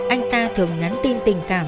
anh ta thường ngắn tin tình cảm